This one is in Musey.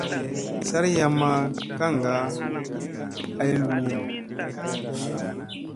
Sari yam ma kaŋga ay lumu.